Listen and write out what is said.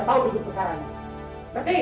saya pikir bapak seorang guru besar